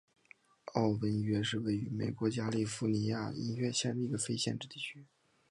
奥文约是位于美国加利福尼亚州因约县的一个非建制地区。